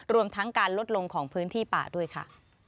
รวมทั้งการลดลงของพื้นที่ป่าด้วยค่ะ